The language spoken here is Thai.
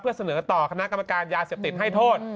เพื่อเสนอต่อคณะกรรมการยาเสียบติดให้โทษ